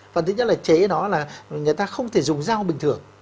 và thứ nhất là chế nó là người ta không thể dùng dao bình thường